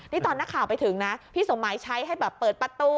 นี่ตอนนักข่าวไปถึงนะพี่สมหมายใช้ให้แบบเปิดประตู